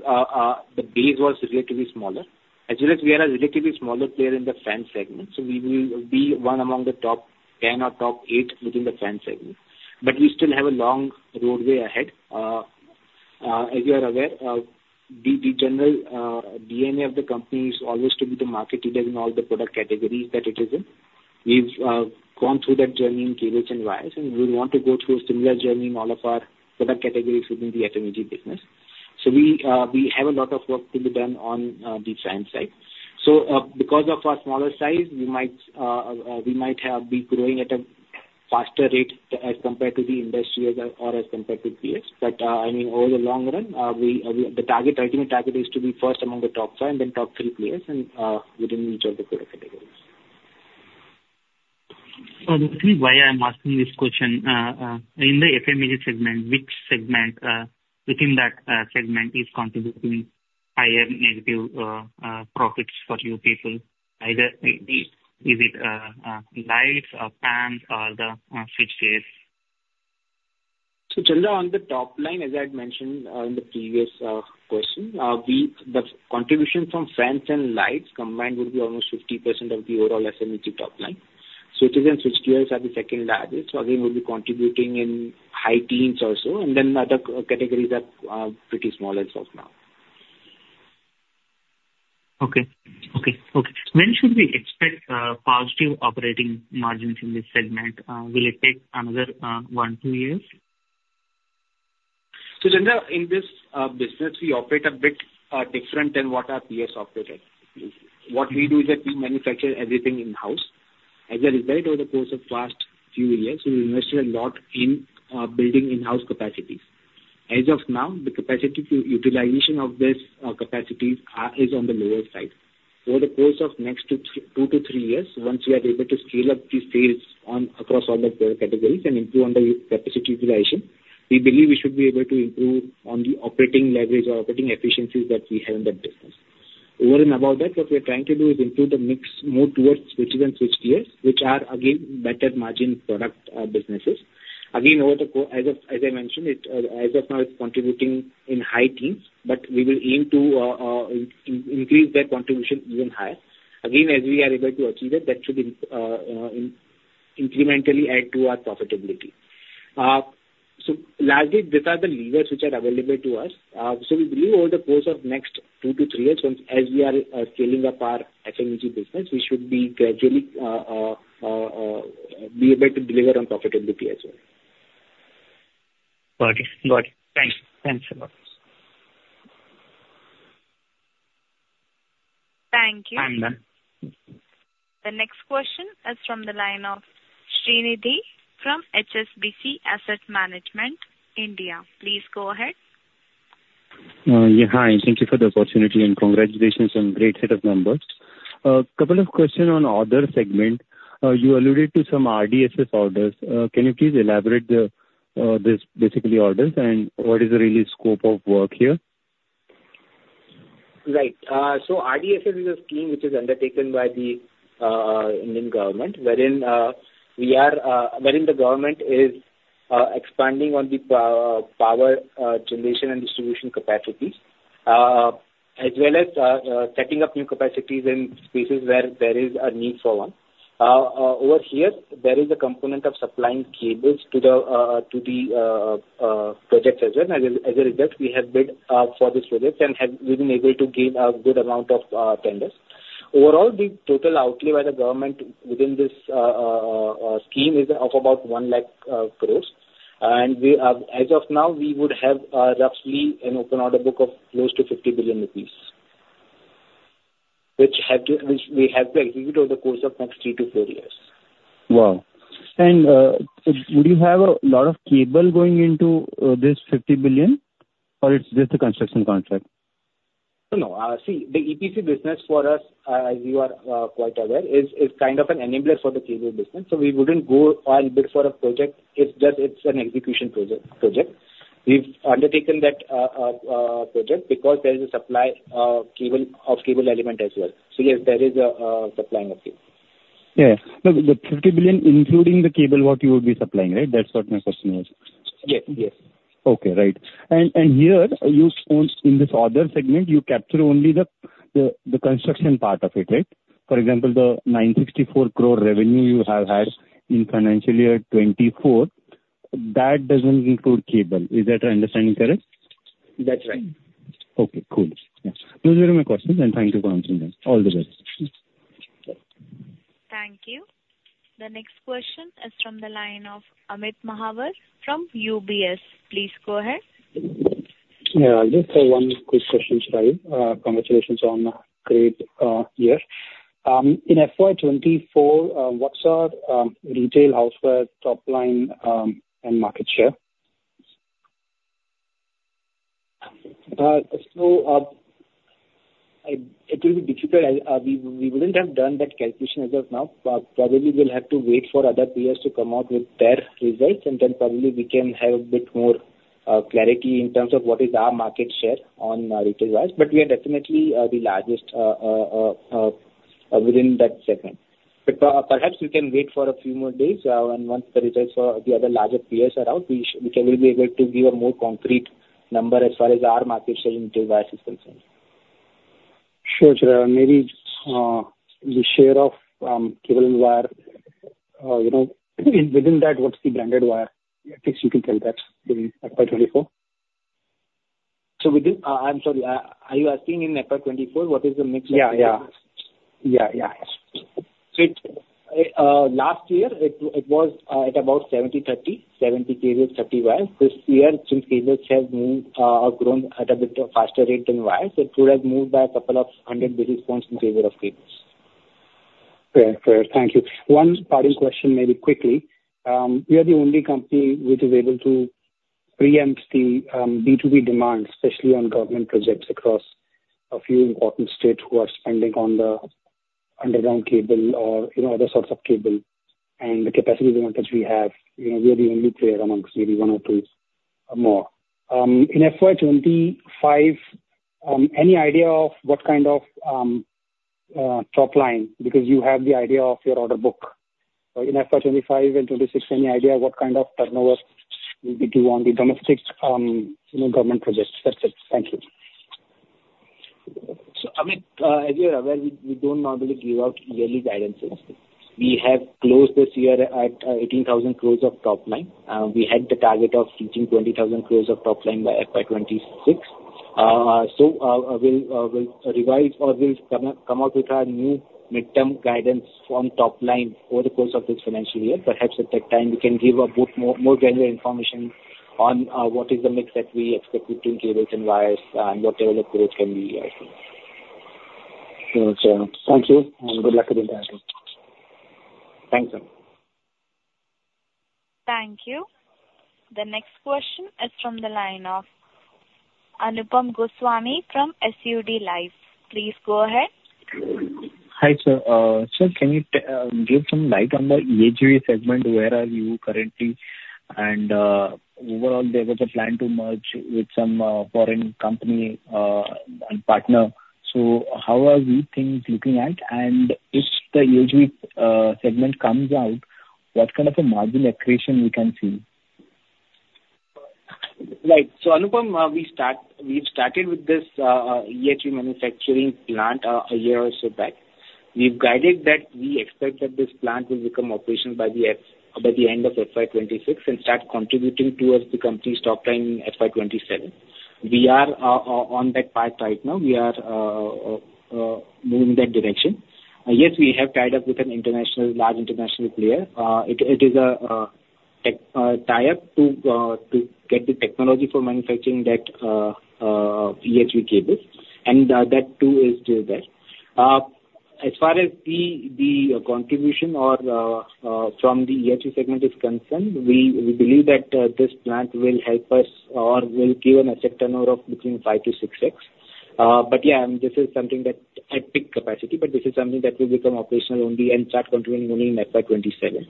the base was relatively smaller. As well as we are a relatively smaller player in the fan segment, so we will be one among the top 10 or top eight within the fan segment. But we still have a long roadway ahead. As you are aware, the general DNA of the company is always to be the market leader in all the product categories that it is in. We've gone through that journey in cables and wires, and we want to go through a similar journey in all of our product categories within the FMEG business. So we have a lot of work to be done on the fan side. So, because of our smaller size, we might, we might have be growing at a faster rate as compared to the industry as a, or as compared to peers. But, I mean, over the long run, we, we... The target, ultimate target is to be first among the top five and then top three players and, within each of the product categories. So that's why I'm asking this question. In the FMEG segment, which segment within that segment is contributing higher negative profits for you people? Either is it lights, or fans or the switchgears? So, Chandra, on the top line, as I had mentioned, in the previous question, we, the contribution from fans and lights combined would be almost 50% of the overall FMEG top line. Switches and switchgears are the second largest, so again, will be contributing in high teens also, and then the other categories are, pretty small as of now. When should we expect positive operating margins in this segment? Will it take another 1-2 years? So, Chandra, in this business, we operate a bit different than what our peers operate at. What we do is that we manufacture everything in-house. As a result, over the course of past few years, we've invested a lot in building in-house capacities. As of now, the capacity to utilization of this capacities is on the lower side. Over the course of next 2-3 years, once we are able to scale up the sales on across all the product categories and improve on the capacity utilization, we believe we should be able to improve on the operating leverage or operating efficiencies that we have in that business. Over and above that, what we are trying to do is improve the mix more towards switches and switchgears, which are, again, better margin product businesses. Again, over the course, as I mentioned, as of now, it's contributing in high teens, but we will aim to increase that contribution even higher. Again, as we are able to achieve it, that should incrementally add to our profitability. So largely, these are the levers which are available to us. So we believe over the course of next two to three years, once we are scaling up our FMEG business, we should be gradually be able to deliver on profitability as well. Got it. Got it. Thanks. Thanks a lot. Thank you. I'm done. The next question is from the line of Srinidhi from HSBC Asset Management India. Please go ahead. Yeah, hi, and thank you for the opportunity, and congratulations on great set of numbers. Couple of questions on other segment. You alluded to some RDSS orders. Can you please elaborate the, this basically orders and what is the really scope of work here? Right. So RDSS is a scheme which is undertaken by the Indian government, wherein the government is expanding on the power generation and distribution capacities, as well as setting up new capacities in spaces where there is a need for one. Over here, there is a component of supplying cables to the projects as well. As a result, we have bid for this project and have been able to gain a good amount of tenders. Overall, the total outlay by the government within this scheme is of about 100,000 crore. As of now, we would have roughly an open order book of close to 50 billion rupees, which we have to execute over the course of next 3-4 years. Wow! Would you have a lot of cable going into this 50 billion, or it's just a construction contract?... No, no, see, the EPC business for us, as you are quite aware, is kind of an enabler for the cable business, so we wouldn't go and bid for a project if that it's an execution project. We've undertaken that project because there is a supply of cable element as well. So yes, there is a supplying of cable. Yeah. Now, the 50 billion, including the cable, what you would be supplying, right? That's what my question was. Yeah. Yes. Okay, right. And here, you also, in this other segment, you capture only the construction part of it, right? For example, the 964 crore revenue you have had in financial year 2024, that doesn't include cable. Is that understanding correct? That's right. Okay, cool. Yes. Those were my questions, and thank you for answering them. All the best. Thank you. The next question is from the line of Amit Mahawar from UBS. Please go ahead. Yeah, just one quick question, Chirayu. Congratulations on a great year. In FY 2024, what are retail house wire top line and market share? So, it will be difficult. We wouldn't have done that calculation as of now, but probably we'll have to wait for other peers to come out with their results, and then probably we can have a bit more clarity in terms of what is our market share on retail wires. But we are definitely the largest within that segment. But perhaps we can wait for a few more days, and once the results for the other larger peers are out, we shall be able to give a more concrete number as far as our market share in retail wire is concerned. Sure, sir. Maybe, the share of, cable and wire, you know, within, within that, what's the branded wire? At least you can tell that in FY 2024. I'm sorry, are you asking in FY 2024, what is the mix of- Yeah, yeah. Yeah, yeah. So, last year it was at about 70/30, 70 cable, 30 wire. This year, since cables has grown at a bit of faster rate than wire, it would have moved by a couple of hundred basis points in favor of cables. Fair. Fair. Thank you. One parting question, maybe quickly. You are the only company which is able to preempt the, B2B demand, especially on government projects across a few important states who are spending on the underground cable or, you know, other sorts of cable and the capacity limit which we have, you know, we are the only player amongst maybe one or two, more. In FY 25, any idea of what kind of top line? Because you have the idea of your order book. In FY 25 and 26, any idea what kind of turnover you would be on the domestic, you know, government projects? That's it. Thank you. So, Amit, as you're aware, we, we don't normally give out yearly guidance. We have closed this year at 18,000 crore of top line. We had the target of reaching 20,000 crore of top line by FY 2026. So, we'll, we'll revise or we'll come out, come out with our new mid-term guidance on top line over the course of this financial year. Perhaps at that time, we can give a bit more, more general information on what is the mix that we expect between cables and wires and what development can be, I think. Sure. Thank you, and good luck with the branding. Thanks, sir. Thank you. The next question is from the line of Anupam Goswami from SUD Life. Please go ahead. Hi, sir. Sir, can you give some light on the EHV segment, where are you currently? And, overall, there was a plan to merge with some foreign company, and partner. So how are these things looking at? And if the EHV segment comes out, what kind of a margin accretion we can see? Right. So, Anupam, we've started with this EHV manufacturing plant a year or so back. We've guided that we expect that this plant will become operational by the end of FY 2026 and start contributing towards the company's top line in FY 2027. We are on that path right now. We are moving in that direction. Yes, we have tied up with an international, large international player. It is a tie-up to get the technology for manufacturing that EHV cables, and that, too, is still there. As far as the contribution or from the EHV segment is concerned, we believe that this plant will help us or will give an asset turnover of between 5x-6x. But yeah, and this is something that at peak capacity, but this is something that will become operational only and start contributing only in FY 2027.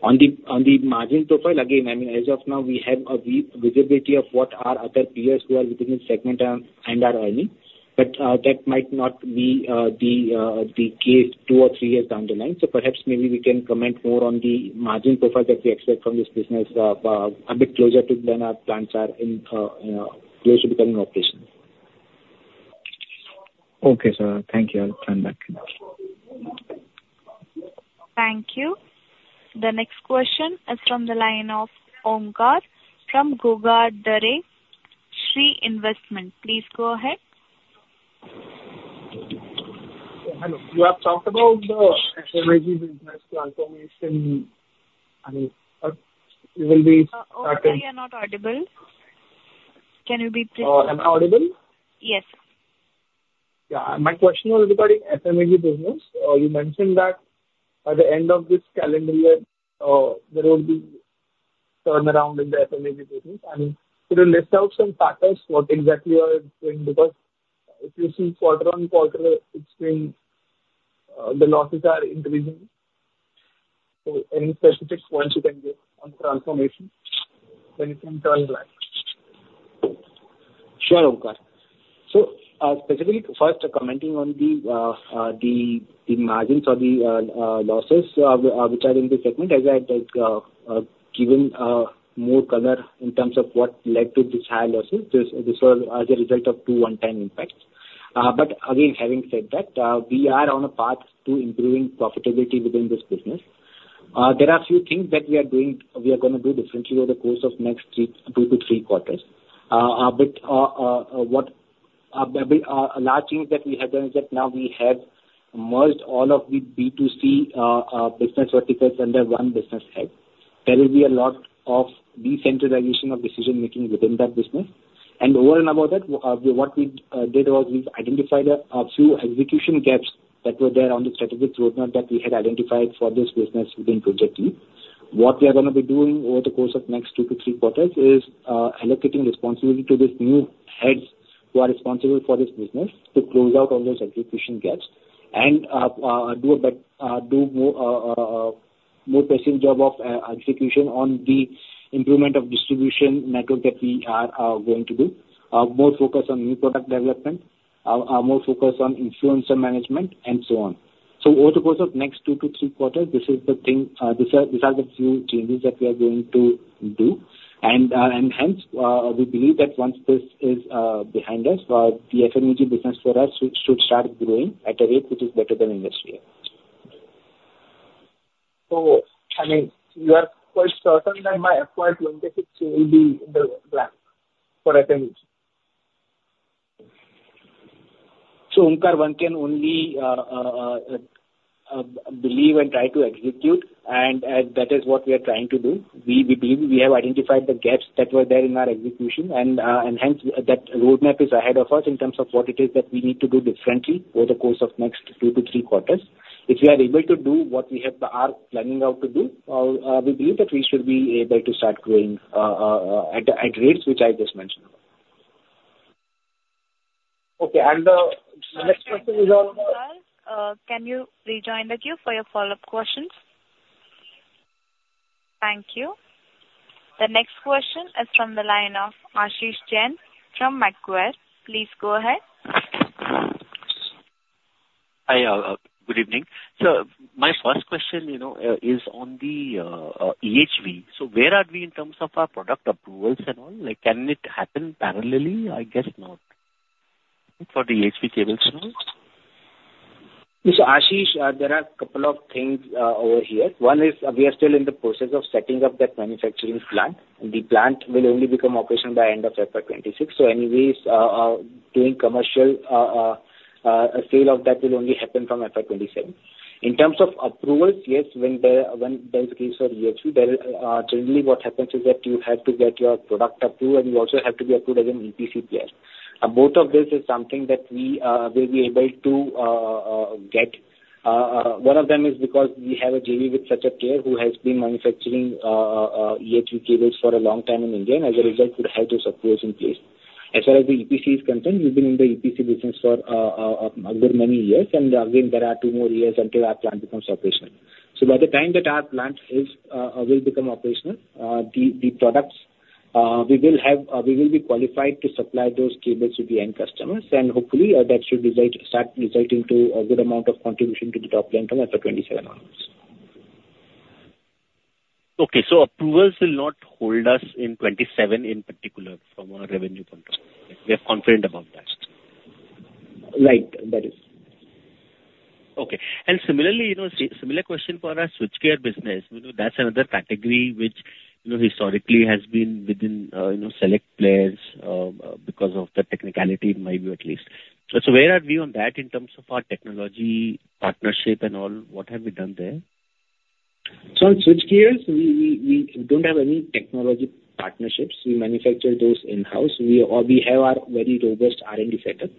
On the, on the margin profile, again, I mean, as of now, we have a weak visibility of what our other peers who are within the segment are, and are earning, but, that might not be, the, the case two or three years down the line. So perhaps maybe we can comment more on the margin profile that we expect from this business, a bit closer to when our plans are in, close to becoming operational. Okay, sir. Thank you. I'll turn back. Thank you. The next question is from the line of Omkar from Guarga Dare Sri Investment. Please go ahead. Hello. You have talked about the FMEG business transformation, I mean, it will be- Omkar, you are not audible. Can you be please- Am I audible? Yes. Yeah. My question was regarding SMID business. You mentioned that by the end of this calendar year, there will be turnaround in the FMEG business, and could you list out some factors, what exactly you are doing? Because if you see quarter-on-quarter, it's been, the losses are increasing. So any specific points you can give on transformation, when it can turn black? Sure, Omkar. So, specifically, first, commenting on the margins or the losses which are in the segment, as I had given more color in terms of what led to these high losses. This was as a result of two one-time impacts. But again, having said that, we are on a path to improving profitability within this business. There are a few things that we are doing—we are gonna do differently over the course of next two to three quarters. But what the large change that we have done is that now we have merged all of the B2C business verticals under one business head. There will be a lot of decentralization of decision making within that business. And over and above that, what we did was, we've identified a few execution gaps that were there on the strategic roadmap that we had identified for this business within Project Leap. What we are gonna be doing over the course of next 2-3 quarters is allocating responsibility to these new heads who are responsible for this business to close out all those execution gaps. And do a better, more pressing job of execution on the improvement of distribution network that we are going to do. More focus on new product development, more focus on influencer management, and so on. So over the course of next 2-3 quarters, this is the thing, these are the few changes that we are going to do. Hence, we believe that once this is behind us, the FMEG business for us should start growing at a rate which is better than industry. I mean, you are quite certain that by FY 26, we will be in the black for FMEG? So, Omkar, one can only believe and try to execute, and that is what we are trying to do. We believe we have identified the gaps that were there in our execution, and hence, that roadmap is ahead of us in terms of what it is that we need to do differently over the course of next two to three quarters. If we are able to do what we have are planning out to do, we believe that we should be able to start growing at rates which I just mentioned. Okay, and, the next question is on- Can you rejoin the queue for your follow-up questions? Thank you. The next question is from the line of Ashish Jain from Macquarie. Please go ahead. Hi, good evening. My first question, you know, is on the EHV. Where are we in terms of our product approvals and all? Like, can it happen parallelly? I guess not, for the EHV cables, you know. Yes, Ashish, there are a couple of things over here. One is we are still in the process of setting up that manufacturing plant. The plant will only become operational by end of FY 2026. So anyways, doing commercial sale of that will only happen from FY 2027. In terms of approvals, yes, when there is case for EHV, there generally what happens is that you have to get your product approved, and you also have to be approved as an EPC player. Both of this is something that we will be able to get. One of them is because we have a JV with Satec here, who has been manufacturing EHV cables for a long time in India, and as a result, we have those approvals in place. As far as the EPC is concerned, we've been in the EPC business for a good many years, and again, there are two more years until our plant becomes operational. So by the time that our plant will become operational, the products we will have we will be qualified to supply those cables to the end customers, and hopefully, that should result-start resulting to a good amount of contribution to the top line from FY 2027 onwards. Okay, so approvals will not hold us in 2027, in particular, from a revenue point of view. We are confident about that? Right. That is. Okay. And similarly, you know, similar question for our switchgear business. You know, that's another category which, you know, historically has been within, you know, select players, because of the technicality, in my view, at least. So, so where are we on that in terms of our technology, partnership and all, what have we done there? So on switchgears, we don't have any technology partnerships. We manufacture those in-house. We have our very robust R&D setup.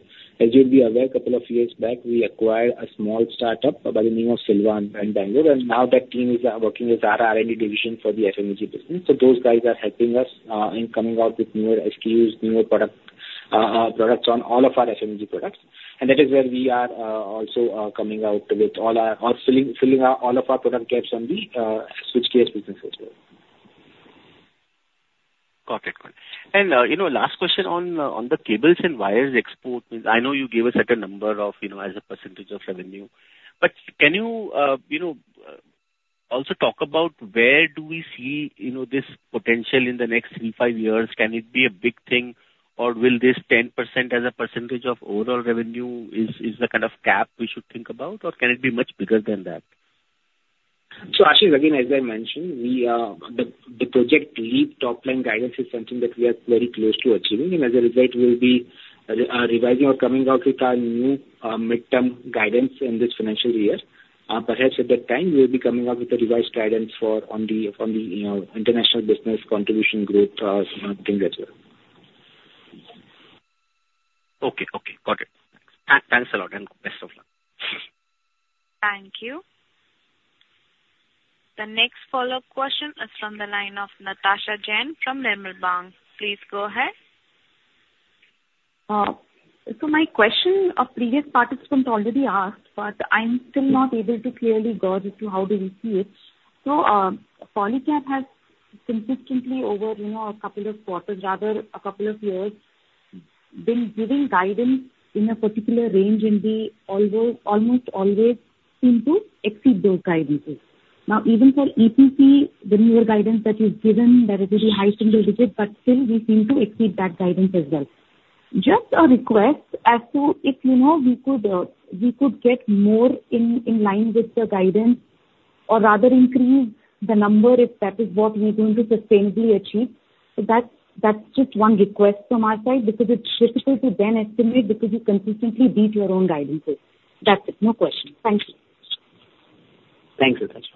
As you'll be aware, a couple of years back, we acquired a small startup by the name of Silvan in Bangalore, and now that team is working with our R&D division for the FMEG business. So those guys are helping us in coming out with newer SKUs, newer products on all of our FMEG products. And that is where we are also coming out with all our filling out all of our product gaps on the switchgears businesses as well. Got it, got it. And, you know, last question on, on the cables and wires export. I know you gave a certain number of, you know, as a percentage of revenue. But can you, you know, also talk about where do we see, you know, this potential in the next three, five years? Can it be a big thing, or will this 10% as a percentage of overall revenue is, is the kind of cap we should think about, or can it be much bigger than that? So, Ashish, again, as I mentioned, the Project Leap top-line guidance is something that we are very close to achieving, and as a result, we'll be revising or coming out with our new midterm guidance in this financial year. Perhaps at that time, we'll be coming out with the revised guidance for the international business contribution growth thing as well. Okay, okay, got it. Thanks a lot, and best of luck. Thank you. The next follow-up question is from the line of Natasha Jain from Nirmal Bang. Please go ahead. So my question, a previous participant already asked, but I'm still not able to clearly gauge to how do we see it. So, Polycab has consistently over, you know, a couple of quarters, rather a couple of years, been giving guidance in a particular range, and we although almost always seem to exceed those guidances. Now, even for EPC, the new guidance that you've given, that is very high single digit, but still we seem to exceed that guidance as well. Just a request, as to if, you know, we could, we could get more in, in line with the guidance or rather increase the number if that is what we're going to sustainably achieve. So that's, that's just one request from our side, because it's difficult to then estimate, because you consistently beat your own guidances. That's it. No question. Thank you. Thank you, Natasha.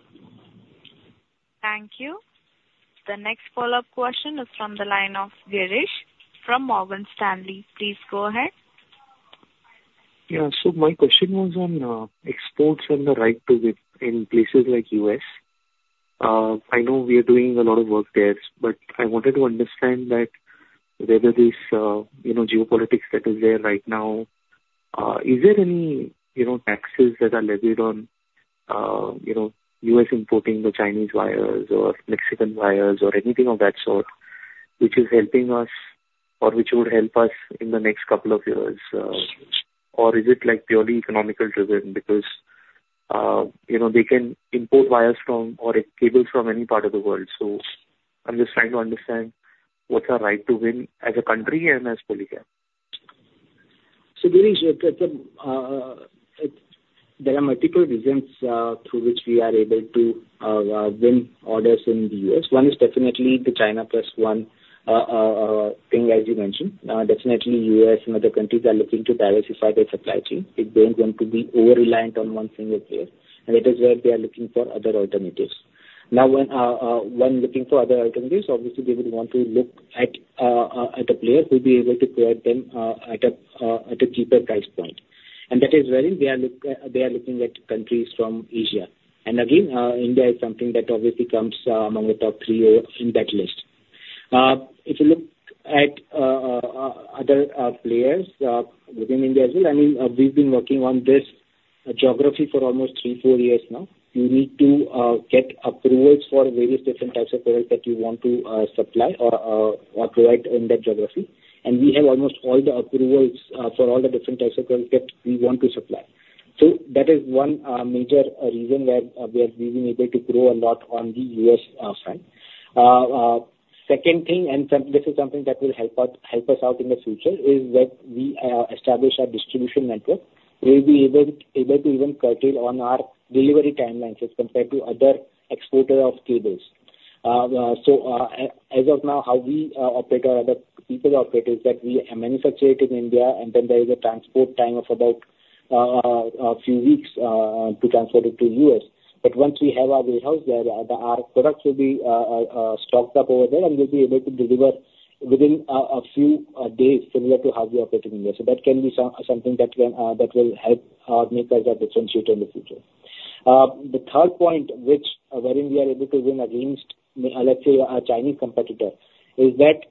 Thank you. The next follow-up question is from the line of Girish from Morgan Stanley. Please go ahead. Yeah. So my question was on, exports and the right to win in places like U.S. I know we are doing a lot of work there, but I wanted to understand that whether this, you know, geopolitics that is there right now, is there any, you know, taxes that are levied on, you know, U.S. importing the Chinese wires or Mexican wires or anything of that sort, which is helping us or which would help us in the next couple of years? Or is it like purely economical driven? Because, you know, they can import wires from or cables from any part of the world. So I'm just trying to understand what's our right to win as a country and as Polycab. So Girish, there are multiple reasons through which we are able to win orders in the U.S. One is definitely the China plus one thing, as you mentioned. Definitely U.S. and other countries are looking to diversify their supply chain. They don't want to be over-reliant on one single player, and that is where they are looking for other alternatives. Now, when looking for other alternatives, obviously they would want to look at a player who will be able to provide them at a cheaper price point. And that is wherein they are looking at countries from Asia. And again, India is something that obviously comes among the top three in that list. If you look at other players within India as well, I mean, we've been working on this geography for almost three, four years now. You need to get approvals for various different types of products that you want to supply or provide in that geography. And we have almost all the approvals for all the different types of products that we want to supply. So that is one major reason where we have been able to grow a lot on the US side. Second thing, and this is something that will help us out in the future, is that we establish our distribution network. We'll be able to even curtail on our delivery timelines as compared to other exporters of cables. So, as of now, how we operate or other people operate is that we manufacture it in India, and then there is a transport time of about a few weeks to transfer it to the U.S. But once we have our warehouse there, our products will be stocked up over there, and we'll be able to deliver within a few days, similar to how we operate in India. So that can be something that will help make us a differentiator in the future. The third point, wherein we are able to win against, let's say, a Chinese competitor, is that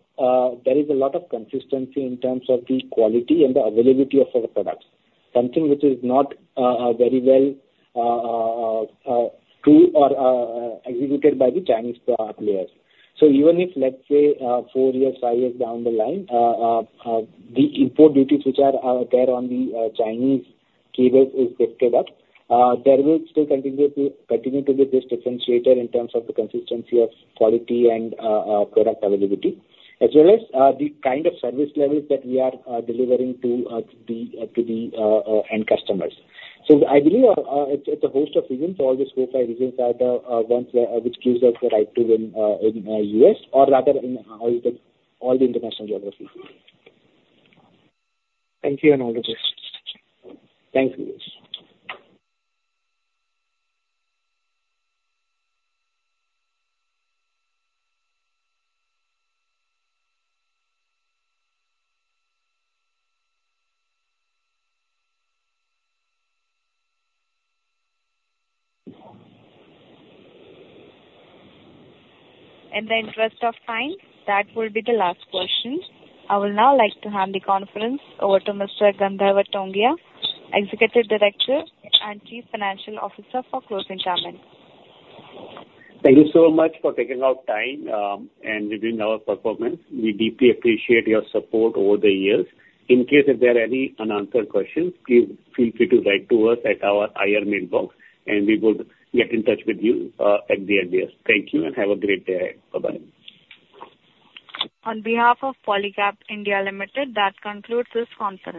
there is a lot of consistency in terms of the quality and the availability of our products. Something which is not very well true or executed by the Chinese pro players. So even if, let's say, 4 years, 5 years down the line, the import duties, which are there on the Chinese cables, is lifted up, there will still continue to be this differentiator in terms of the consistency of quality and product availability, as well as the kind of service levels that we are delivering to the end customers. So I believe, it's a host of reasons. All these 4, 5 reasons are the ones which gives us the right to win in U.S. or rather, in all the international geographies. Thank you and all the best. Thank you. In the interest of time, that will be the last question. I would now like to hand the conference over to Mr. Gandharv Tongia, Executive Director and Chief Financial Officer, for closing comments. Thank you so much for taking out time, and reviewing our performance. We deeply appreciate your support over the years. In case if there are any unanswered questions, please feel free to write to us at our IR mailbox, and we will get in touch with you, at the earliest. Thank you, and have a great day. Bye-bye. On behalf of Polycab India Limited, that concludes this conference.